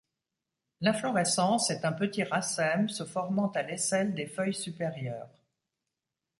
L'inflorescence est un petit racème se formant à l'aisselle des feuilles supérieures.